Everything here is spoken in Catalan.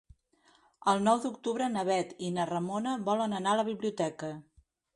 El nou d'octubre na Bet i na Ramona volen anar a la biblioteca.